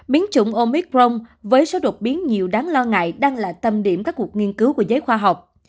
biến chủng omicron với số đột biến nhiều đáng lo ngại đang là tầm điểm các cuộc nghiên cứu của giấy khoa học